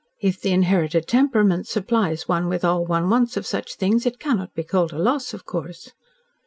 If the inherited temperament supplies one with all one wants of such things, it cannot be called a loss, of course."